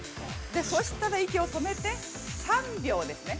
そうしたら息を止めて、３秒ですね。